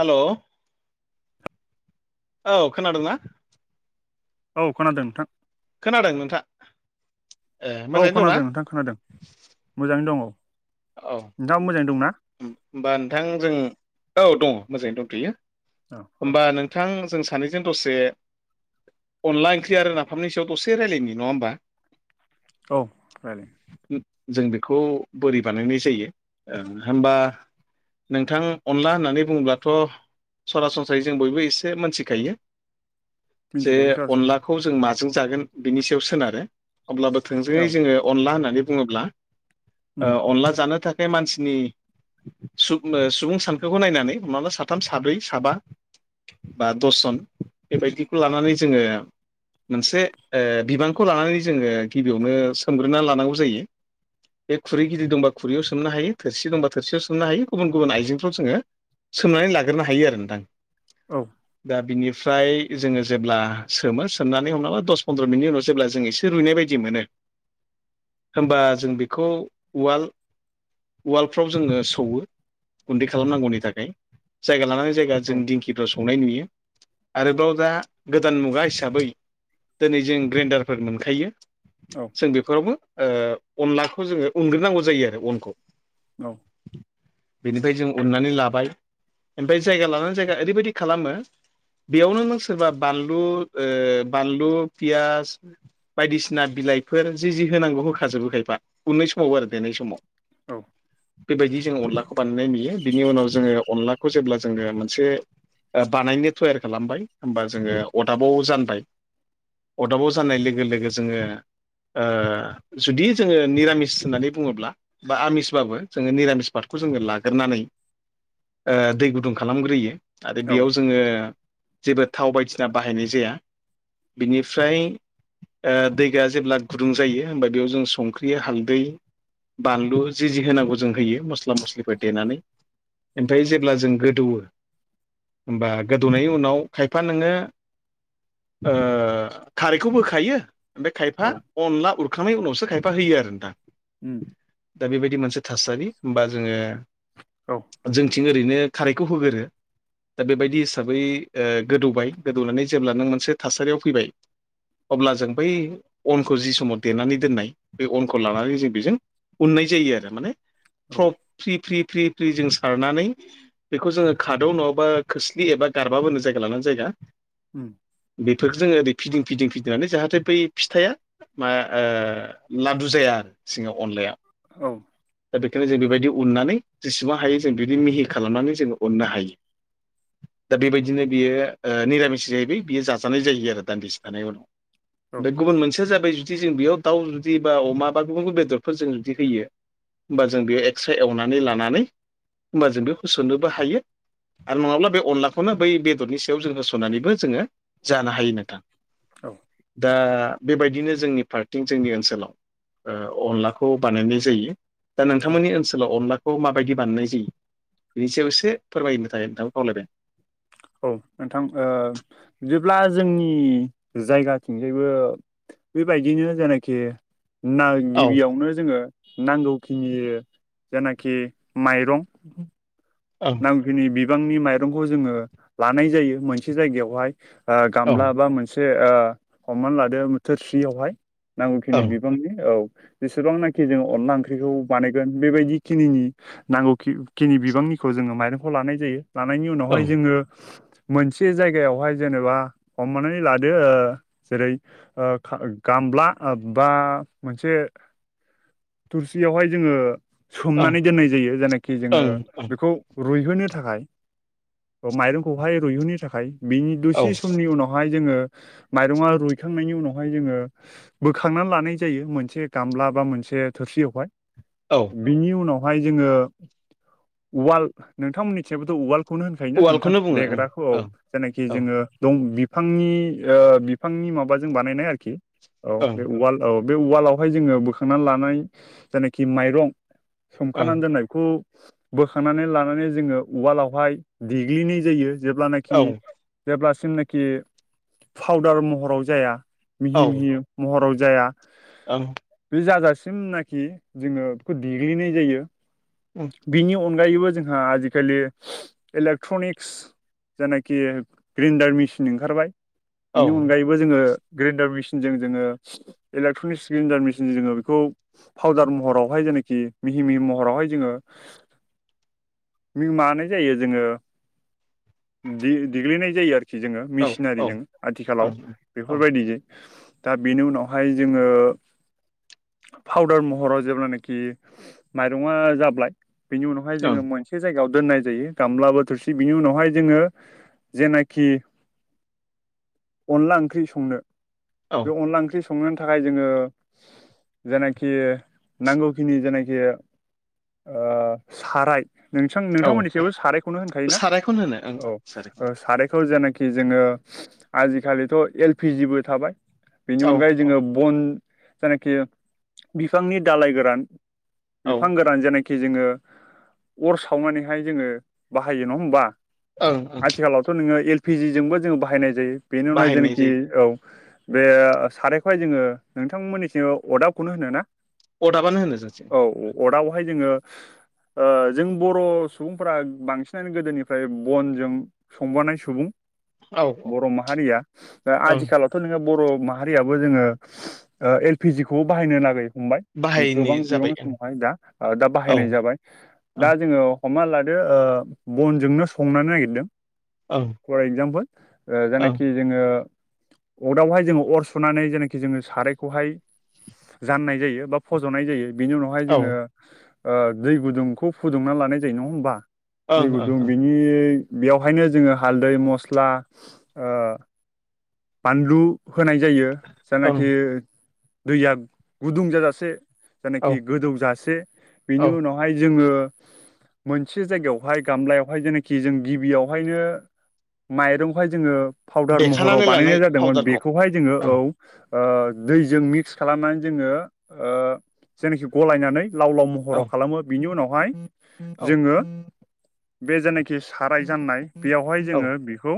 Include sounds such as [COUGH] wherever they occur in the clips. हेल' औ खोनादोंना? औ खोनादों नोंथां। खोनादों नोंथां। ए औ मोजाङैनो दंना खोनादों नोंथां खोनादों मोजाङै दं औ नोंथाङा मोजाङै दंना। होनोमबा नोंथां जों औ दङ मोजाङै दंथ'यो औ औ होमबा नों बिथां जों सानैजों दसे अनला ओंख्रि आरो नाफामनि सायाव दसेायलायनो नङा होनोमबा औ रलाय जों बेखौ बोरै बानायनाय जायो होनबा नोंथां अनला होननानै बुङोब्लाथ' सरासनस्रायै जों बयबो एसे मोनथिखायो। जे मिथिखायो सर अनलाखौ जों माजों जागोन बिनि सायाव सोनारो अब्लाबो थोंजोङै औ जोङो। अनला होननानै बुङोब्ला उम अनला जानो थाखाय मानसिनि। सुबुं सानखोखौ नायनानै मा साथाम साब्रै साबा। बा दसजन बेबायदिखौ लानानै जोङो। मोनसे बिबानखौ लानानै जोङो गिबियावनो सोमग्रोनानै लानांगौ जायो। बे खुरै गिद दंबा खुरैयाव सोमनो हायो थोरसि दंबा थोरसियाव सोमनो हायो गुबुन गुबुन आइजेंफ्राव जोङो। सोंनानै लाग्रोनो हायो आरो नोंथां। औ। दा बिनिफ्राय जोङो जेब्ला सोमो सोमनानै हमाबा दस फन्द्र' मिनिटनि उनाव जेब्ला जोङ एसे। एसे रुइनाय बायदि मोनो होनबा जों बेखौ उवाल। वालडफ्राव जोङो सौवो गुन्दै खालामनांगौनि थाखाय जायगा लानानै। जायगा जों औ दिंखिफ्राव संनाय नुयो आरोबाव दा गोदान मुगा हिसाबै। दिनै जों ग्रेन्डारफोर मोनखायो औ जों बेफोरावबो अनलाखौ जोङो उग्रोनांगौ जायो आरो अनखौ। औ बेनिफ्राय जों उननानै लाबाय ओमफ्राय जायगा लानानै जायगा ओरैबायदि खालामो बेयावनो नों सोरबा बानलु बानलु पियास बायदिसिना बिलाइफोर जि जि होनांगौ होखाजोबोखायफा उननाय स औ आरो देनाय सबाव औ बेबायदि जों अनला खौ बानायनाय नुयो बिनि उनाव जोङो अनलाखौ जेब्ला जोङो मोनसे बानायनो थयार खालामबाय होमबा जोङो अरदाबाव जानबाय अदाबाव जानाय लोगो लोगो जोङो जुदि जोङो निरामिस होननानै बुङोब्ला बा आमिसबाबो जोङो निरामिस पादखौ जोङो लाग्रोनानै दै गुदुं खालामग्रोयो आरो औ बेयाव जोङो जेबो थाव बायदिसिना बाहायनाय जाया बिनिफ्राय दैया जेब्ला गुदुं जायो होमबा बेयाव जों संख्रि हालदै बानलु जि जि होनांगौ जों होयो मस्ला मस्लिफोर देनानै ओमफ्राय जेब्ला जों गोदौवो होमबा गोदौनायनि उनाव खायफा नोङो खारैखौ होखायो ओमफ्राय औ खायफा अनला हरखांनायनि उनावसो खायफा होयो आरो नोंथां उम दा बेबायदि मोनसे थासारि होमबा जोङो औ जोंथिं ओरैनो खारैखौ होगोरो दा बेबायदि हिसाबै गोदौबाय गोदौनानै जेब्ला नों मोनसे थासारियाव फैबाय अब्ला जों बै अनखौ जि समाव देनानै दोननाय बे अनखौ लानानै जों बेजों उनाय जायो आरो माने फ्रि फ्रि फ्रि जों सारनानै बेखौ जोङो खादौ नङाबा खोस्लि एबा खादौबो बुङो जायगा लानानै जायगा उम बेफोरफोरखौ जोङो ओरै फिदिं फिदिं फिदिंनानै जाहाथे बै फिथाइया मा लादु जाया आरो सिङाव अनलाया औ दा बेखायनो जों बेबायदि उननानै जेसेबां हायो जों बिदि मिहि खालामनानै जोङो उननो हायो [INAUDIBLE] दा बेबायदिनो बियो निरामिस जाहैबाय बियो जाजानाय जायो आरो दान्दिसे थानाय उनाव औ बे गुबुन मोनसेया जाबाय जुदि जों बेयाव दाउ जुदि बा अमा बा गुबुन गुबुन बेदरफोर जों जुदि होयो होमबा जों बे एक्सट्रा एवनानै लानानै होमबा जों बे होसोनोबो हायो आरो नङाब्ला बे अनलाखौनो बै बेदरनि सायाव जों होसोननानैबो जोङो जानो हायो नथां औ दा बेबायदिनो जोंनि फार्थिं जोंनि ओनसोलाव अनलाखौ बानायनाय जायो दा नोंथांमोननि ओनसोलाव अनलाखौ माबायदि बानायनाय जायो बिनि सायावसो फोरमायनो थाखाय नोंथांखौ खावलायबाय औ नोंथां बिदिब्ला जोंनि जायगाथिंजायबो बेबायदिनो जायनाखि ना औ गिबियावनो जोङो नांगौखिनि जेनाखि माइरं ओं नि बिबांनि माइरंखौ जों लानाय जायो मोनसे जायहाय ओं गामला बा मोन एसे हमनानै लादो थोरसियावहाय नांगौखिनि ओं बांनि औ जेसेबांनाखि जों अनला ओंख्रिखौ बानायगोन बेबायदि खिनि नांगौ खि खिनि बिबांनिखौ जोङो माइरंखौ लानाय जायो लानायनि ओं उनावहाय जोङो मोनसे जायगायावहाय जेनेबा हमनानै लादो जेरै गामला बा मोनसे थुरसियावहाय जोङो ओं सोमनानै दोननाय जायो जायनाखि जोङो ओं ओं बेखौ रुइहोनो थाखाय माइरंखौहाय रुइहोनो थाखाय बिनि औ दसे समनि उनावहाय जोङो माइरङा रुइखांनायनि उनावहाय जोङो बोखांनानै लानाय जायो मोनसे गामला बा मोनसे थोरसियावहाय औ बिनि उनावहाय जोङो उवाल नोंथांमोननिथिंथ' उवाल् खौनो होनखायोोना नोंथां उवालखौनो बुङो देग्राखौ औ ओं जेनाखि ओं जोङो दं बि बिफांनि बिफांनि माबाजों बानायनाय आरोखि औ बे ववाल औ बे उवालावहाय जोङो बोखांनानै लानाय जायनाखि माइरं ओं संखानानै दोननायखौ बोखांनानै लानानै जोङो उवालावहाय देग्लिनाय जायो जेब्लानाखि ओं जेब्लासिमनाखि फावदार महराव जाया मिहि मिहि महराव जाया ओ बे जाजासिमनाखि जोङो बेखौ देग्लिनाय जायो। [INAUDIBLE] बिनि अनगायैबो जोंहा आजिखालि इलेक्ट्रनिक्स जायनाखि ग्रेन्डार मेसिन ओंखारबाय औ बिनि अनगायैबो बेबो जोङो ग्रेडार मेसिनजों जोङो इलेकट्रनिक्स ग्रडार मेसिनजों जोङो बेखौ फाउदार महरावहाय जेनाखि मिहि मिहि महरावहाय जोङो मानाय जायो जोङो देग्लिनाय जायो आरोखि जोङो औ मेसिनारिजों ओं आथिखालाव बेफोरबायदिजों दा बेनि उनावहाय जोङो फाउदार महराव जेब्लानाखि माइरङा जाबाय बेनि उनावहाय औ जोङो मोनसे एसे जायगायाव दोननाय जायो गामलाबोो थोरसि बिनि उनावहाय जोङो जेनाखि अनला ओंख्रि संनो ओं बे अनदला ओंख्रि सं संो थाखाय जोङो जेनाखि नांगौखिनि जेनाखि ओ साराय नों औ नोंथांमोननि सायावबो सारायखौनो होनखायोना सारायखौनो होनो ओं औ सारायखौनो सार थ जेनाखि जोङो आजिखालिथ' एलपिजिबो थाबाय बेनि औ अनगायै औ जोङो बन जायनाखि बिफांनि दालाय गोरान औ बिफां गोरान जेनाखि ि जोङो अर सावनानैहाय जोङो बाहायो नङा होमबा ओं ओं आथिखालाव थ' नोङो एलपिजि जोंबो जोङो बाहायनाय जायो बेनि उनाय बाहायनाय जेनाखि जायो औ बे सारायखौहाय जोङो नोंथांमोननिसिम अरदाबखौनो होनो ना? अथााबानो होनो औ अरदावहाय जोङो जों बर' सुबुंफोरा बांसिनानो गोदोनिफ्राय बनजों संबानाय सुबुं औ औ बर' माहारिया दा ओं आथिखालाव थ' नोङो बर' माहारियाबो जोङो एलपिजिखौ बाहायनो लागै बाय गोबां बाहायनाय जाबाय बिबांनि ओं समावहाय दा दा बाहायनाय औ जाबाय दा जों जोङो हमना लादो बनजोंनो संनो नागिरदों औ फर एक्जामपल जानाखि जोङो अरावहाय जोङो अर सुनानै जेनाखि जोङो सारायखौहाय जाननाय जायो बा फज'नाय जायो बेनि उनावहाय औ जोङो ओ दै गुदुंखौ फुदुंना लानाय जायो नङा होमबा दै ओं गुदुं ओं ओं बिनि बेवहायनो जोङो हालदै मस्ला ओ बानलु होनाय जायो। ओं जानाखि दैया गुदुं जाजासे औ जानाखि गोदौजासे बेनि औ उनावहाय जोङो मोनसे जायगायावहाय गामलायावहाय जेनाखि जों गिबियावहायनो माइरंहाय जोङो पाउदार महराव देखानानै लानाय बानायनाय जादोंमोन पाउदारखौ बेखौहाय जोङो ओं औ ओ दैजों मिक्स खालामनानै जोङो ओ जेनाखि गलायनानै लाव लाव हर' औ खालामो बिनि उनावहाय औ जोङो बे जेनाखि साराय जाननाय बेयावहाय जोङो बेखौ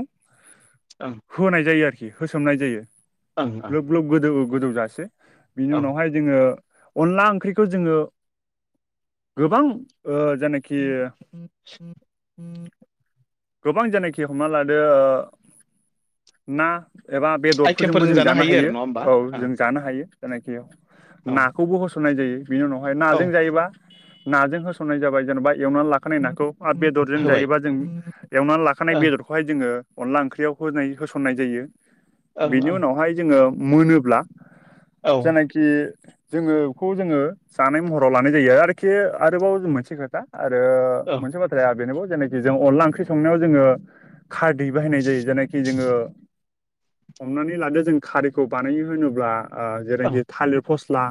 औ होनाय जायो आरोखि होसोमनाय जायो ओं ओं ग्लोब ग्लोब गोदौ गोदौजसे बिनि औ उनावहाय जोङो अनला ओंख्रिखौ जोङो गोबां जायनाखि गोबां जेनाखि हमना लादो ना एबा बेदरफोरजोंबो आइटेमफोरजों जों जानो आरो हायो नङा होमबा औ ओं जों जानो हायो। जायनाखियाव औ नाखौबो होसननाय जायो बिनि उनावहाय औ नाजों जायोबा नाजों होसननाय जाबाय जेन'बा एवनानै लाखानाय नाखौ मा बेदरजों होबाय जायोबा जों एवनानै लाखानाय ओं बेदरखौ बेबादिनो अनला ओंख्रैयाव होनाय होसन्नाय जायो। ओं बेनि ओं उनावहाय जोंङो मोनो औ ओं जायनाखि जोङो बेखौ जोङो जानाय मह ाव लानाय जायो आरोखि आरोबाव मोनसे खोथा आरो मोनसे खाया बेनो जेनाखि जों अनला ओंख्रि संनायाव जोंङो खारदै बाहायनाय जायो जायनाखि जोंङो हमनानै लादो जों खारिखौ बानायनो होनोब्ला ओं जेरखि थालिर फस्ला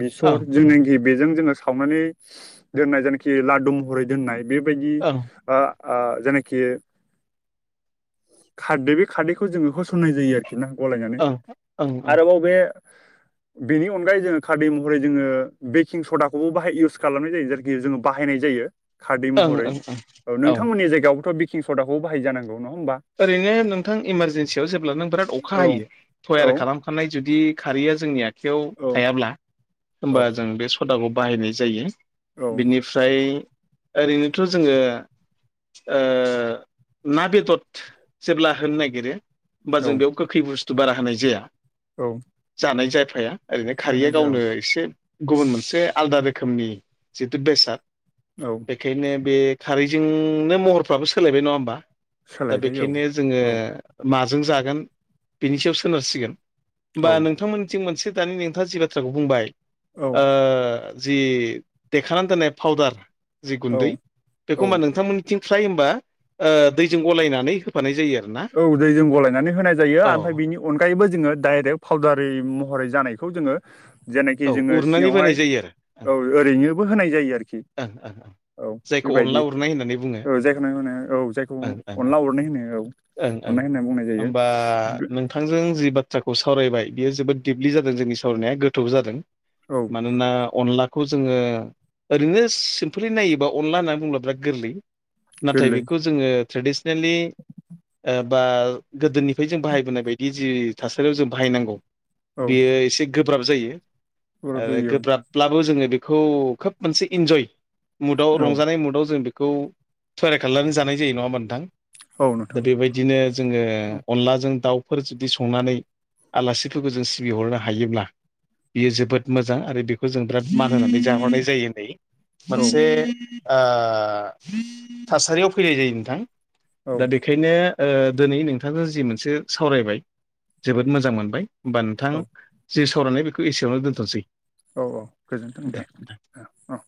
बेसर ओं जेनाखि बेजों जोङो सावनानै दोननाय जायनाखि लादु महरै दोननाय बेबायदिनो ओं ओ जायनाखि खारदै बे खारदैखौ जोंङो होसननाय जायो आरोखि खिन गलायनानै ओं ओं आरोबाव बे बेनि अनगायै जोङो खारै महरै जोंङो बेकिं सदाखौबो बाहाय इउस खालामनाय जायो जेरखि जोङो बाहायनाय जायो। खारदै ओं महरै ओं ओं औ नोंथांमोननि जायगायावबोथ' बेकिं सदाखौ बाहाय जानांगौ नङा होमबा? ओरैनो नोंथां इमारजेेनसियाव जेब्ला नों बिराद अखा औ हायो थयार औ खालाम सनाय जुदि खारै जोंनि आखायाव औ थायाब्ला औ होमबा जों बे खुदाखौ बाहायनाय जायो औ बिनि ओमफ्राय ओरैनोथ' जोङो ना बेदर जेब्ला होनो नागिरो होमबा जों औ बेयाव गोखै बुस्थु बारा होनाय जाया। औ। जानाय जायफाया ओरैनो दाना खारैया जा औ गावनो एसे गुबुन मोनसे आलदा रोखोमनि जिथु बेसाद औ। बेखायनो बे खारैजोंनो महरफ्राबो सोलायबाय नंङा होमबा। दा सोलायबाय औ बेखायनो जोंङो औ माजों जागोन बेनि सायाव सोनारसिगोन होमबा औ नोंथांमोन थिं मोनसे दानि नोंथांङा जि बाथ्राखौ बुंबाय औ ओ जि देखानानै दोननाय फावउदार जि औ गुन्दै बेखौ मा औ नोंथांमोन आथिं फ्राय हबा दैजों गलायनानै हो होनाय जायो आरो ना। औ दै जों गलायनानै होनाय जायो औ ओमफाय बिनि अनगायैबो जोंङो डाइरेक्ट फावउदारि महरै जानायखौ जोंङो जेनाखि औ जोंङो उरनानै सिङावहाय बोनाय जायो आरो ओं औ ओरैनोबो होनाय जायो आरोखि ओं ओं ओं औ जायखौ अनला बेबायदि उरनाय होननानै बुङो औ जायखौनो होनो औ जायखौ ओं ओं अनला अरनै होनो औ ओं ओं अरनाय होनना बुंनाय जायो होनबा नों नोंथांजों जि बाथ्राखौ सावरायबाय बियो जोबोद दिपलि जादों जोंनि सावरायनाया गोथौ जादों। औ मानो ना अनलाख खौ जोंङो ओरैनो सिम्पलि नायोबा अनला होननानै बुङो बिराद गोरलै नाथाय गोरलै बेखौ जोंङो ट्रेडिसनेलि बा गोदोनिफ्राय जों बाहायबोनाय बायदि जि थासारियाव जों बाहायनांगौ औ बेयो एसे गोब्राब जायो आरो गोब्राब ब्लाबो जोंङो बेखौ खोब मोनसे इन्जय मुदाव औ रंजानाय मुदाव जों बेखौ खौ थयरार खालामनानै जानाय जायो नङा होनबा नोंथां औ नोंथां दा बेबायदिनो जोंङो औ अनलाजों दाउ फोर जुदि संनानै आलासिफोरखौ जों सिबिहरनो हायोब्ला बियो जोबोद मोजां आरो बेखौ जों बिराद मान होनानै जाहरनाय जायो नै औ मोनसे थासारियाव फैनाय जायो नोंथां औ दा बे बे ओंखायनो दिनै नोंथांखौ जि मोनसे सावरायबाय जोबोद मोजां मोनबाय होमबा नोंथां औ जोंनि सावरायनाय बेखौ एसेयावनो दोनथ'नोसै औ औ गोजोनथों नोंथां औ